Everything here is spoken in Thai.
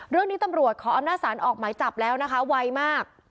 เรื่องนี้ตำรวจขออำนาจสารออกหมายจับแล้วนะคะไวมาก